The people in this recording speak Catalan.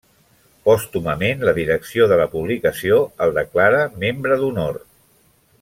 Pòstumament, la direcció de la publicació el declara membre d’honor.